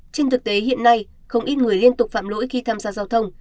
trên thực tế hiện nay không ít người liên tục phạm lỗi khi tham gia giao thông